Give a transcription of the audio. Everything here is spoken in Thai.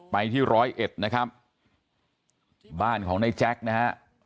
ไปที่ร้อยเอ็ดนะครับบ้านของในแจ็คนะฮะ